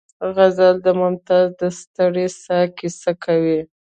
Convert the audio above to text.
غزل د ممتاز د ستړې ساه کیسه کوي